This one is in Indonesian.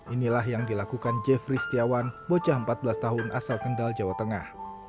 inilah yang dilakukan jeffrey setiawan bocah empat belas tahun asal kendal jawa tengah